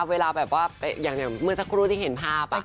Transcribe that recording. เวลาแบบว่าอย่างเมื่อสักครู่ที่เห็นภาพ